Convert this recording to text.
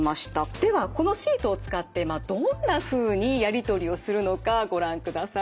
ではこのシートを使ってどんなふうにやり取りをするのかご覧ください。